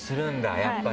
やっぱり。